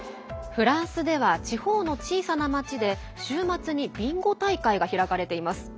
フランスでは地方の小さな町で週末にビンゴ大会が開かれています。